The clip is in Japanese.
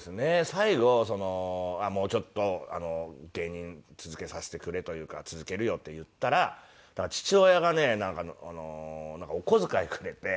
最後もうちょっと芸人続けさせてくれというか続けるよって言ったら父親がねなんかお小遣いくれて。